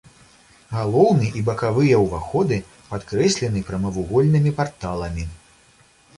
Галоўны і бакавыя ўваходы падкрэслены прамавугольнымі парталамі.